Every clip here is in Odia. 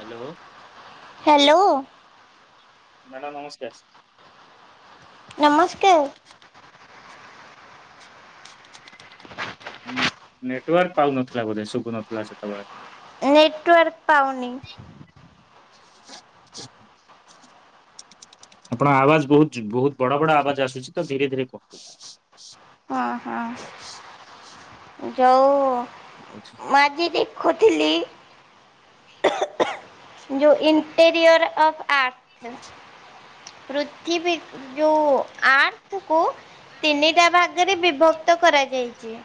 ହାଲୋ। ହାଲୋ। ମ୍ୟାଡ଼ାମ୍ ନମସ୍କାର। ନମସ୍କାର। ହୁଁ ନେଟୱାର୍କ ପାଉନଥିଲା ବୋଧେ ଶୁଭୁନଥିଲା ସେତେବେଳେ? ନେଟୱର୍କ ପାଉନି। [inaudible] ଆପଣ ଆବାଜ୍ ବହୁତ୍ ବହୁତ୍ ବଡ଼ ବଡ଼ ଆବାଜ୍ ଆସୁଚିତ ଧୀରେ ଧୀରେ କହ? ହଁ ହଁ ଯଉ ଠିକ୍ ଅଛି। ମ୍ୟାଗି ଦେଖୁଥିଲି। ଯୋଉ ଇଣ୍ଟେରିୟର ଅଫ୍ ଆର୍ଥ ପୃଥିବୀ ଯୋଉ ଆର୍ଥକୁ ତିନିଟା ଭାଗରେ ବିଭକ୍ତ କରାଯାଇଚି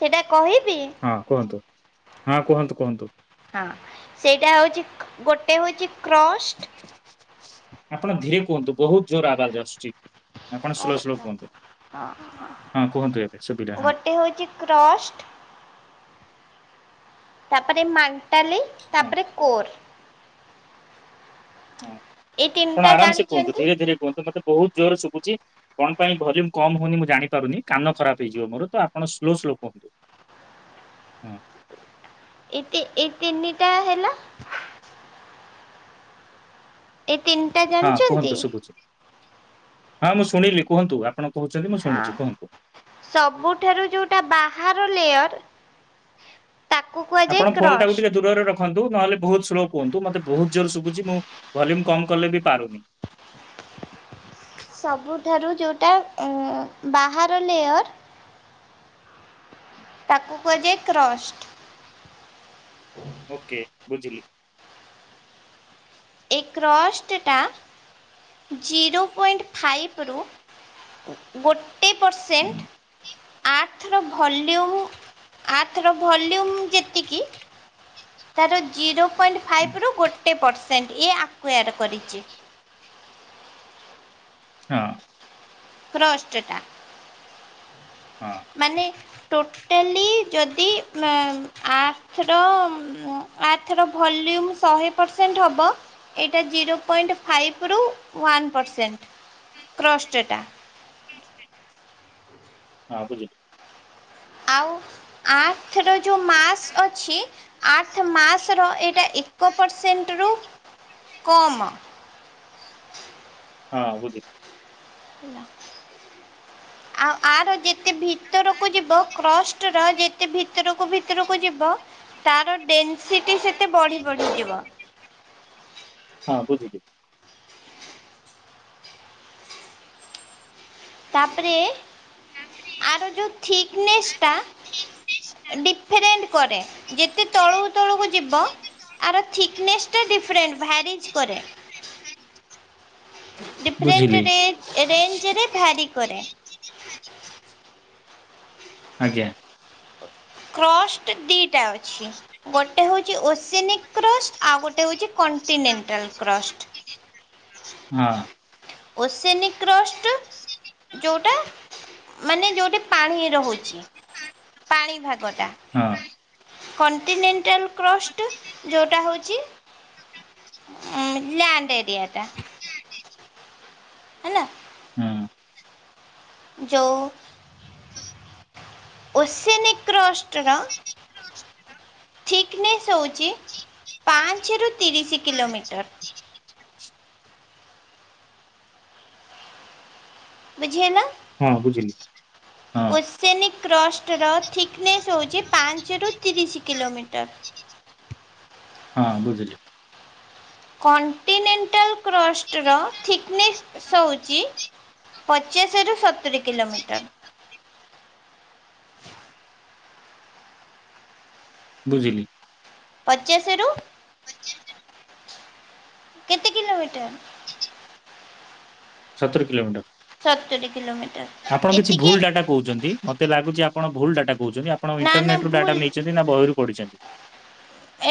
ସେଇଟା କହିବି? ହଁ କୁହନ୍ତୁ ହଁ କୁହନ୍ତୁ କୁହନ୍ତୁ? ହଁ ସେଇଟା ହଉଚି ଗୋଟେ ହଉଚି କ୍ରଷ୍ଟ ଆପଣ ଧୀରେ କୁହନ୍ତୁ ବହୁତ୍ ଜୋରେ ଆବାଜ୍ ଆସୁଚି। ଆପଣ ସୋଲ୍ ସୋଲ୍ ଆଚ୍ଛା କୁହନ୍ତୁ ହଁ କୁହନ୍ତୁ ଏବେ ସୁବିଲା ହଁ। ଗୋଟେ ହେଉଚି କ୍ରଷ୍ଟ ତାପରେ ମାଣ୍ଟାଲି ହଁ। ତାପରେ କୋର୍ ହଁ ଏଇ ଆପଣ ତିନିଟା ଆରାମସେ କୁହନ୍ତୁ ଜାଣିଛନ୍ତି ଧୀରେ ଧୀରେ କୁହନ୍ତୁ ମତେ ବହୁତ୍ ଜୋରେ ଶୁଭୁଚି। କଣ ପାଇଁ ଭଲ୍ୟୁମ କମ୍ ହଉନି ମୁଁ ଜାଣିପାରୁନି କାନ ଖରାପ୍ ହେଇଯିବ ମୋରତ ଆପଣ ସ୍ଲୋ ସ୍ଲୋ କୁହନ୍ତୁ। ହଁ ଏଇ ଏଇ ତିନିଟା ହେଲା ଏଇ ତିନ୍ ହଁ କୁହନ୍ତୁ ଶୁଭୁଚି ହଁ ମୁଁ ଶୁଣିଲି କୁହନ୍ତୁ ଆପଣ କହୁଛନ୍ତି ମୁଁ ହଁ ଶୁଭୁଚି କୁହନ୍ତୁ। ସବୁଠାରୁ ଯୋଉଟା ବାହାର ଲେୟାର ଆପଣ ଫୋନ୍ ଟାକୁ ଟିକେ କ୍ରଷ୍ଟ ଦୂରରେ ର ଖନ୍ତୁ ନହେଲେ ବହୁତ୍ ସ୍ଲୋ କୁହନ୍ତୁ ମତେ ବହୁତ୍ ଜୋରେ ଶୁଭୁଚି ମୁଁ ଭଲ୍ୟୁମ କମ୍ କଲେବି ପାରୁନି। ସବୁଠାରୁ ଯେଉଁଟା ଏ ବାହାର ଲେୟର୍ ତାକୁ କୁହାଯାଏ କ୍ରଷ୍ଟ ଓକେ ବୁଝିଲି। ଏ କ୍ରଷ୍ଟଟା ଜିରୋ ପଏଣ୍ଟ ଫାଇବ୍ରୁ ଗୋଟେ ହୁଁ, ପରସେଣ୍ଟ ଆର୍ଥର ଭଲ୍ୟୁମ୍ ଆର୍ଥର ଭଲ୍ୟୁମ୍ ଯେତିକି ତାର ଜିରୋ ପଏଣ୍ଟ ହୁଁ, ଫାଇଭ୍ରୁ ଗୋଟେ ପରସେଣ୍ଟ ଇଏ ଆକୁୟଡ଼ କରିଚି। ହଁ। ଫ୍ରଷ୍ଟାଟା ହଁ ମାନେ ଟୋ ଆଟାଲି ଯଦି ମା ଆର୍ଥର ଆର୍ଥର ଭଲ୍ୟୁମ୍ ଶହେ ପରସେଣ୍ଟ ହବ ଏଇଟା ଜିରୋ ପଏଣ୍ଟ ଫାଇଭରୁ ୱାନ୍ ପରସେଣ୍ଟ କ୍ରଷ୍ଟଟା। ହଁ ବୁଝିଲି। ଆଉ ଆର୍ଥର ଯୋଉ ମାସ୍ ଅଛି ଆର୍ଥର ମାସର ଏଇଟା ଏକ ପରସେଣ୍ଟରୁ କମ୍। ହଁ ବୁଝି ଆଉ ଆର ଯେତେ ଭିତରକୁ ଯିବ କ୍ରସ ର ଯେତେ ଭିତରକୁ ଭିତରକୁ ଯିବ ତାର ଡେନ୍ସିଟି ସେତେ ବଢି ବଢି ଯିବ। ହଁ ବୁଝିଲି। ତାପରେ ଆର ଯଉ ଥିକନେସ ଟା ଡିଫରେଣ୍ଟ କରେ। ଯେତେ ତଳକୁ ତଳୁକୁ ଯିବ ଆର ଥିକନେସ୍ ଟା ଡିରେଣ୍ଟ ଭ୍ୟାରିଜ୍ କରେ। ବୁଝିଲି ଡିଫରେଣ୍ଟ ରେ ରେଞ୍ଜରେ ଭ୍ୟାରି କରେ। ଆଜ୍ଞା। କ୍ରଷ୍ଟ ଦିଟା ଅଛି। ଗୋଟେ ହଉଛି ଓସେନିକ୍ କ୍ରଷ୍ଟ ଆଉ ଗୋଟେ ହଉଛି କଣ୍ଟିନେଣ୍ଟାଲ କ୍ରଷ୍ଟ। ହଁ। ଓସେନିକ୍ କ୍ରଷ୍ଟ୍ ଯେଉଟା ମାନେ ଯୋଉଟି ପାଣି ରହୁଛି। ପାଣି ଭାଗଟା। ହଁ। କଣ୍ଟିନେଣ୍ଟାଲ କ୍ରଷ୍ଟ ଯୋଉଟା ହଉଛି ଉଁ ଲ୍ୟାଣ୍ଡ ଏରିଆ ଟା। ହେଲା। ହଁ ଯୋଉ ଓସେନିକ୍ କ୍ରଷ୍ଟ ର ଥିକନେସ୍ ହେଉଛି ପାଞ୍ଚରୁ ତିରିଶି କିଲୋମିଟର। ବୁଝି ହେଲା? ହଁ ବୁଝିଲି। ହଁ ଓସେନିକ୍ କ୍ରଷ୍ଟର ଥିକନେସ୍ ହଉଛି ପାଞ୍ଚରୁ ତିରିଶି କିଲୋମିଟର। ହଁ ବୁଝିଲି। କଣ୍ଟିନେଣ୍ଟାଲ୍ କ୍ରଷ୍ଟର ଥିକନେସ୍ ସଉଛି ପଚାଶରୁ ସତୁରି କିଲୋମିଟର। ବୁଝିଲି। ପଚାଶରୁ କେତେ କିଲୋମିଟର? ସତୁରୀ କିଲୋମିଟର। ସତୁରୀ କିଲୋମିଟର ଆପଣ କିଛି ଭୁଲ ଏତିକି ଡାଟା କହୁଛନ୍ତି। ମତେ ଲାଗୁଛି ଆପଣ ଭୁଲ୍ ଡାଟା କହୁଛନ୍ତି, ଆପଣ ନା ନା ଇଣ୍ଟରନେଟ ରୁ ଡାଟା ଭୁଲ ନେଇଛନ୍ତି ନା ବହିରୁ ପଢିଛନ୍ତି?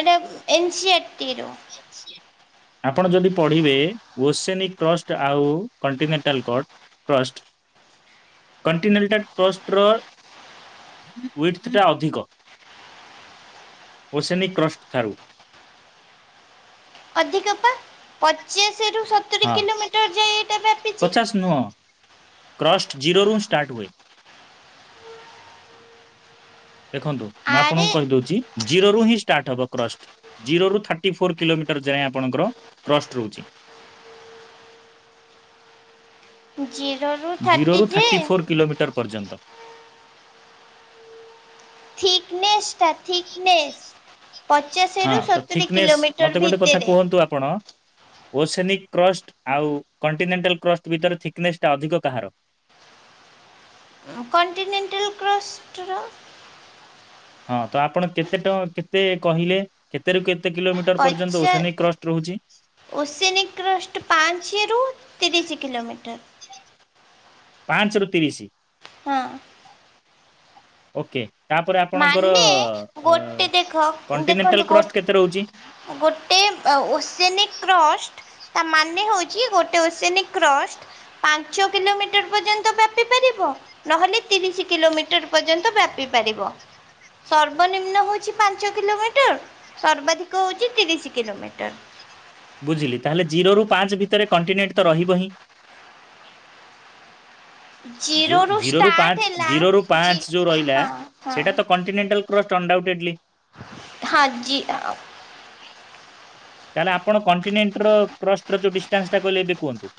ଏଇଟା ଏନ୍ ସି ଆର୍ ଟି ରୁ। ସ [inaudible] ଆପଣ ଯଦି ପଢିବେ ଓସେନିକ୍ କ୍ରଷ୍ଟ ଆଉ କଣ୍ଟିନେଣ୍ଟାଲ କ୍ରଟ କ୍ରଷ୍ଟ, କଣ୍ଟିନେଣ୍ଟାଲ କ୍ରଷ୍ଟର ୱେଥ ଟା ଅଧିକ ଓସେନିକ୍ କ୍ରଷ୍ଟ ଠାରୁ। ଅଧିକ ପା ପଚାଶ ରୁ ସ ହଁ ପଚାଶ ନୁହଁ, କ୍ରଷ୍ଟ ଜିରୋରୁୁ ଷ୍ଟାର୍ଟ ହୁଏ। ଦେଖନ୍ତୁ ମୁଁ ଆରେ ଆପଣଙ୍କୁ କହିଦଉଛି, ଜିରୋ ରୁ ହିଁ ଷ୍ଟାର୍ଟ ହବ କ୍ରଷ୍ଟ ଜିରୋ ରୁ ଥା ଥାଟିଫୋର୍ ଲୋମିଟର ଯାଏ ଆପଣଙ୍କର କ୍ରଷ୍ଟ ରହୁଛି। ଜିରୋରୁ ଜିରୋରୁ ଥାର୍ଟି ଫୋର୍ କିଲୋମିଟର ପର୍ଯ୍ୟନ୍ତ। ଥିକନେସ୍ ଟା। ଥିକନେସ୍ ପଚାଶରୁ ସତୁରୀ କିଲୋମିଟର ଭିତରେ। ତୁ ଆପଣ ଓସେନିକ୍ କ୍ରଷ୍ଟ ଆଉ କଣ୍ଟିନେଣ୍ଟାଲ୍ କ୍ରଷ୍ଟ ଭିତରେ ଥିକନେସ୍ ଟା ଅଧିକ କାହାର? ଅଁ, କଣ୍ଟିନେଣ୍ଟାଲ୍ କ୍ରଷ୍ଟର। ହଁ ତ ଆପଣ କେତେ ଟ- କେତେ କହିଲେ? କେତେ ରୁ କେତେ କିଲୋମିଟର ପର୍ଯ୍ୟନ୍ତ ପଚା ଓସେନିକ୍ କ୍ରଷ୍ଟ ରହୁଛି? ଓସେନିକ୍ କ୍ରଷ୍ଟ ପାଞ୍ଚେରୁ ତିରିଶି କିଲୋମିଟର। ପାଞ୍ଚ ରୁ ତିରିଶି? ହଁ। ଓକେ, ତାପରେ ଆପଣଙ୍କର ମାନେ ଅ, ଗୋଟେ ଦେଖ ଦେଖନ୍ତୁ କଣ୍ଟିନେଣ୍ଟାଲ୍ ଗୋ କ୍ରଷ୍ଟ କେତେ ରହୁଛି? ଗୋଟେ ଅ, ଓସେନିକ୍ କ୍ରଷ୍ଟ ତା ମାନେ ହଉଛି ଗୋଟେ ଓସେନିକ୍ କ୍ରଷ୍ଟ ପାଞ୍ଚ କିଲୋମିଟର ପର୍ଯ୍ୟନ୍ତ ବ୍ୟାପି ପାରିବ ନହେଲେ ତିରିଶ କିଲୋମିଟର ପର୍ଯ୍ୟନ୍ତ ବ୍ୟାପି ପାରିବ। ସର୍ବନିମ୍ନ ହଉଛି ପାଞ୍ଚ କିଲୋମିଟର, ସର୍ବାଧିକ ହଉଛି ତିରିଶ କିଲୋମିଟର। ବୁଝିଲି, ତାହେଲେ ଜିରୋ ରୁ ପାଞ୍ଚ ଭିତରେ କଣ୍ଟିନେଣ୍ଟ ତ ରହିବ ହିଁ? ଯୋଉ ଜିରୋରୁ ଜିରୋ ରୁ ଷ୍ଟାର୍ଟ ପାଞ୍ଚ, ହେଲା ଜିରୋ ରୁ ଜି ପାଞ୍ଚ ଯୋଉ ରହିଲା ହଁ ହଁ। ସେଇଟା ତ କଣ୍ଟିନେଣ୍ଟାଲ୍ କ୍ରଷ୍ଟ ଟର୍ନଡାଉଏଟଲି। ହଁ ଜି ଅ, ଅ, ତାହେଲେ ଆପଣ କଣ୍ଟିନେଣ୍ଟ ର କ୍ରଷ୍ଟ ର ଯୋଉ ଡିଷ୍ଟାନ୍ସ ଟା କହିଲେ ଏବେ କୁହନ୍ତୁ।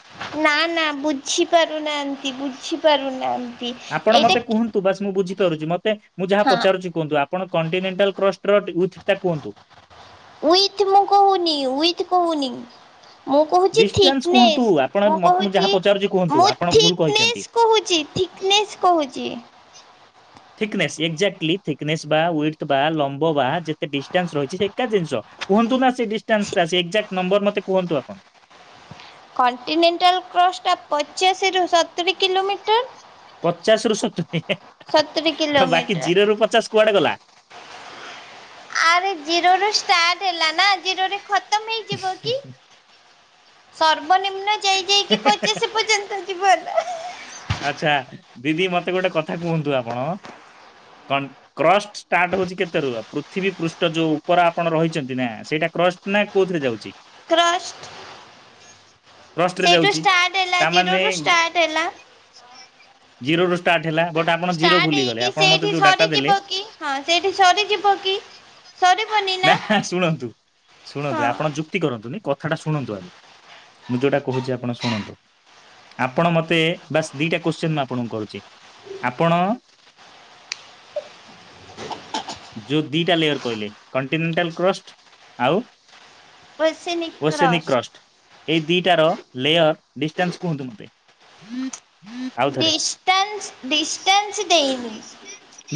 ନା ନା ବୁଝିପାରୁନାହାନ୍ତି ବୁଝିପାରୁନାହାନ୍ ଆପଣ ମୋତେ କୁହନ୍ତୁ ବାସ୍ ମୁଁ ବୁଝିପାରୁଚି, ମୋତେ ମୁଁ ଯାହା ପଚାରୁଛି କୁହନ୍ତୁ ଆପଣ କଣ୍ଟିନେଣ୍ଟାଲ୍ କ୍ରଷ୍ଟ ର ୟୁଥ୍ ଟା କୁହନ୍ତୁ। ଉଇଥ ମୁଁ କହୁନି ଉଇଥି କହୁନି ମୁଁ କହୁଛି ଡିଷ୍ଟାନ୍ସ କୁହନ୍ତୁ ଥିକନେସ୍, ଆପଣ ମୁଁ ମତେ କହୁଛି ଯାହା ପଚାରୁଛି କୁହନ୍ତୁ ମୁଁ ଆପଣ ଭୁଲ କହିଛନ୍ତି ଥିକନେସ୍ କହୁଛି ଥିକ୍ ନିସ୍ କହୁଚି। Thickness exactly thickness ବା ଉଇଡଥ ବା ଲମ୍ବ ବା ଯେତେ ଡିଷ୍ଟାନ୍ସ୍ ରହିଛି ଏକା ଜିନିଷ କୁହନ୍ତୁ ନା ସେ ଡିଷ୍ଟାନ୍ସ ଟା ସେ ଏଜାକ୍ଟ ନମ୍ବର ମତେ କୁହନ୍ତୁ ଆପଣ କଣ୍ଟିନେଣ୍ଟାଲ କ୍ରସ୍ଟା ପଚାଶ୍ ରୁ ସତୁରି କିଲୋମିଟର। ପଚାଶରୁ ସତୁରି ଅ ସତୁରି [unintelligible] ବାକି କିଲୋମିଟର ଜିରୋ ରୁ ପଚାଶ୍ କୁଆଡ଼େ ଗଲା? ଆରେ ଜିରୋ ରୁ ଷ୍ଟାର୍ଟ ହେଲା ନା ଜିରୋରେ ଖତମ୍ ହେଇଯିବ କି? ସର୍ବନିମ୍ନ ଯାଇ ଯାଇକି ପଚାଶ ପଚାଶ୍ ଯିବ ଏକା। ଆଛା ଦିଦି ମତେ ଗୋଟେ କଥା କୁହନ୍ତୁ ଆପଣ? କନ୍ କ୍ରଷ୍ଟ ଷ୍ଟାଟ୍ର୍ ହଉଛି କେତେ ର ପୃଥିବୀ ପୃଷ୍ଠ ଯୋଉ ଉପର ଆପଣ ରହିଛନ୍ତି ନା ସେଇଟା କ୍ରଷ୍ଟ ନାଇଁ କୋଉଥିରେ ଯାଉଛି କ୍ରଷ୍ଟ୍। [inaudible] ରେ ସେଇଠୁ ଯାଉଛି। ଷ୍ଟାର୍ଟ ହେଲା ଜିରୋ ତାମାନେ ରୁ ଷ୍ଟାର୍ଟ ହେଲା। ଜିରୋ ରୁ ଷ୍ଟାର୍ଟ ହେଲା। ବଟ୍ ଆପଣ ଜିରୋ ଷ୍ଟାର୍ଟ ଭୁଲିଗଲେ ହେଇକି ଆପଣ ମତେ ସେଇଠି ଯୋଉ ଡାଟା ଦେଲେ ସରିଯିବ କି ହଁ ସେଇଠି ସରିଯିବ କି? ନା ହା ଶୁଣନ୍ତୁ ଶୁଣନ୍ତୁ ହଁ ଆପଣ ଯୁ ଯୁକ୍ତି କରନ୍ତୁନି କଥାଟା ଶୁଣନ୍ତୁ ଆଗେ ମୁଁ ଯୋଉଟା କହୁଛି ଆପଣ ଶୁଣନ୍ତୁ ଆପଣ ମତେ ବାସ୍ ଦିଟା କୋଶ୍ଚିନ୍ ମୁଁ ଆପଣଙ୍କୁ କରୁଚି। ଆପଣ ଯୋଉ ଦିଟା ଲେୟର କହିଲେ କଣ୍ଟିନେଣ୍ଟାଲ୍ କ୍ରଷ୍ଟ ଆଉ ଓସେନିକ୍ କ୍ରଷ୍ଟ। ଏଇ ଦିଟାର ଲେୟର୍ ଡିଷ୍ଟାନ୍ସ କୁହନ୍ତୁ ମତେ ଆଉ ଥରେ ଡିଷ୍ଟାନ୍ସ, ଡିଷ୍ଟାନ୍ସ ଦେଇନି।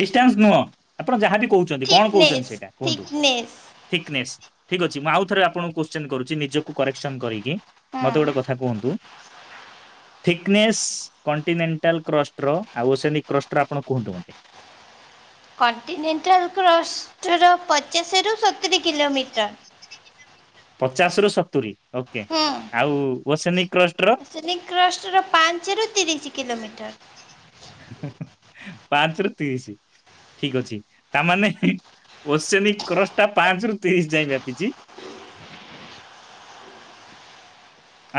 ଡିଷ୍ଟାନ୍ସ ନୁହଁ ଆପଣ ଯାହାବି କହୁଚନ୍ତି କଣ ଥିକନେସ୍ କହୁଚନ୍ତି ସେଇଟା କୁହନ୍ତୁ? ଥିକନେସ୍ ଥିକନେସ୍ ଠିକ୍ ଅଛି ମୁଁ ଆଉ ଥରେ ଆପଣଙ୍କୁ କୋଶ୍ଚିନ କରୁଛି ନିଜକୁ କରେକ୍ସନ କରିକି ମତେ ହୁଁ। ଗୋଟେ କଥା କୁହନ୍ତୁ ଥିକ୍ନେସ୍ [unintelligible] କଣ୍ଟିନେଣ୍ଟାଲ୍ କ୍ରଷ୍ଟର ଆଉ ଓସେନିକ୍ କ୍ରଷ୍ଟର ଆପଣ କୁହନ୍ତୁ ମତେ? କଣ୍ଟିନେଣ୍ଟାଲ୍ କ୍ରଷ୍ଟର ପଚାଶରୁ ସତୁରି କିଲୋମିଟର ପଚାଶ ରୁ ସତୁରି ଓକେ ଆଉ ଓସେନିକ୍ କ୍ରଷ୍ଟ୍ ଓସେନିକ୍ କ୍ରଷ୍ଟର ପାଞ୍ଚ ରୁ ତିରିଶି କିଲୋମିଟର୍। ପାଞ୍ଚ ରୁ ତିରିଶି ଠିକ ଅଛି ତାମାନେ [unintelligible] ଓନ କ୍ରସ ଟା ପାଞ୍ଚ ରୁ ତିରିଶ ଯାଇଏ ବ୍ୟାପିଛି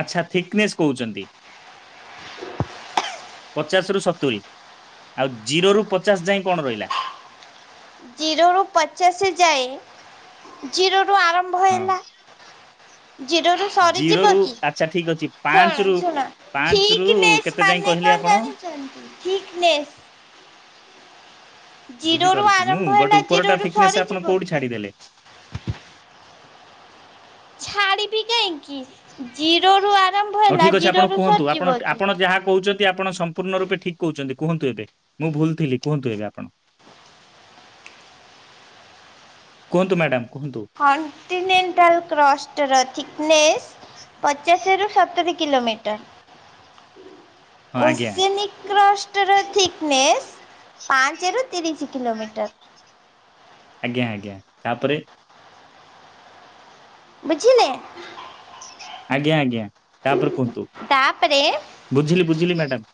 ଆଚ୍ଛା ଥିକନେସ୍ କହୁଛନ୍ତି ପଚାଶ ରୁ ସତୁରି ଆଉ ଜିରୋ ରୁ ପଚାଶ ଯାଏ କଣ ରହିଲା। ଜିରୋରୁ ପଚାଶ ଯାଏ ଜିରୋ ରୁ ଆରମ୍ବ ହଁ ଜିରୋରୁୁ ଜିରୋ ସରିଯିବ ରୁ କି? ଆଚ୍ଛା ଠିକ ଅଛି ପାଞ୍ଚ ଶୋଣ ରୁ ଶୁଣ ପାଞ୍ଚ ରୁ ଥିକନେସ କେତେ ଯାଏଁ ମାନେ କହିଲେ କଣ ଆପଣ ଜାଣିଛନ୍ତି? ଥିକନେସ୍ ଜିରୋ ରୁ ବୁଝିପାରୁଛି ମୁଁ ଆରମ୍ଭ ବଟ୍ ହେଲା ଉପରଟା ଜିରୋ ରୁ ଥିକନେସ୍ ଆପଣ ସରିଯିବ କୋଉଠି କି? ଛାଡିଦେଲେ ଛାଡିବି କାହିଁକି, ଜିରୋ ରୁ ଆରମ୍ଭ ହଉ ହେଲା ଠିକ୍ ଅଛି ଆପଣ ଜିରୋରୁୁ କୁହନ୍ତୁ ଆପଣ ସରିଯିବ କି? ଆପଣ ଯାହା କହୁଛନ୍ତି କି ଆପଣ ସମ୍ପୂର୍ଣ୍ଣ ରୂପେ ଠିକ୍ କହୁଛନ୍ତି, କୁହନ୍ତୁ ଏବେ ମୁଁ ଭୁଲ ଥିଲି, କୁହନ୍ତୁ ଏବେ ଆପଣ। କୁହନ୍ତୁ୍ ମ୍ୟାଡାମ୍ କୁହନ୍ତୁ। କଣ୍ଟିନେଣ୍ଟାଲ୍ କ୍ରଷ୍ଟର ଥିକନେସ୍ ପଚାଶ ରୁ ସତୁରୀ କିଲୋମିଟର। [inaudible] ଆଜ୍ଞା ଓସେନିକ୍ କ୍ରଷ୍ଟ ତର ଥିକନେସ୍ ପାଞ୍ଚ ରୁ ତିରିଶ କିଲୋମିଟର। ଆଜ୍ଞା, ଆଜ୍ଞା, ତାପରେ। ବୁଝିଲେ? ଆଜ୍ଞା, ଆଜ୍ଞା, ତାପରେ କୁହନ୍ତୁ ତାପରେ ବୁଝିଲି ବୁଝିଲି ମ୍ୟାଡାମ୍।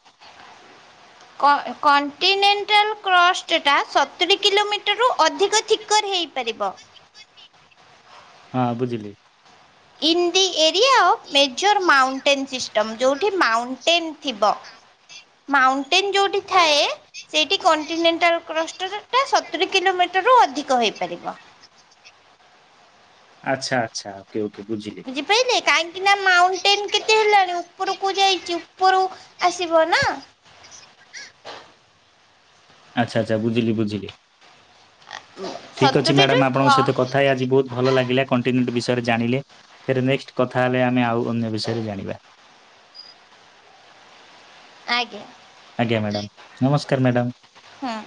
କ-ଏ କଣ୍ଟିନେଣ୍ଟାଲ୍ କ୍ରଷ୍ଟଟା ସତୁରୀ କିଲୋମିଟରରୁୁ ଅଧିକ ଥିକର୍ ହେଇ ପାରିବ। ହଁ ବୁଝିଲି। In the area of major mountain system ଯୋଉଠି ମାଉଣ୍ଟେନ୍ ଥିବ। ମାଉଣ୍ଟେନ୍ ଯୋଉଠି ଥାଏ ସେଇଠି କଣ୍ଟିନେଣ୍ଟାଲ୍ କ୍ରଷ୍ଟ ର ଟା ସତୁରୀ କିଲୋମିଟର ରୁ ଅଧିକ ହେଇପାରିବ। ଆଚ୍ଛା, ଆଚ୍ଛା, ଓକେ ଓକେ ବୁଝିଲି। ବୁଝିପାଇଲେ କାହିଁକି ନା ମାଉଣ୍ଟେନ କେତେ ହେଲାଣି ଉପରକୁ ଯାଇଛି ଉପରୁ ଆସିବ ନା? ଆଛା ଆଛା ବୁଝିଲି ବୁଝିଲି? ଠିକ୍ ଅଛି ସତୁରିରୁ ମ୍ୟାଡ଼ାମ ଆପଣଙ୍କହିତ ଶହେ କଥାଏ ଆଜି ବହୁତ ଭଲ ଲାଗିଲା କଣ୍ଟିନ୍ୟୁଟ ବିଷୟରେ ଜାଣିଲେ? ଫେର ନେକ୍ସଟ କଥା ହେଲେ ଆମେ ଆଉ ଅନ୍ୟ ବିଷୟରେ ଜାଣିବା? ଆଜ୍ଞା। ଆଜ୍ଞା ମ୍ୟାଡ଼ାାମ ନମସ୍କାର ମ୍ୟାଡ଼ାମ୍। ହୁଁ।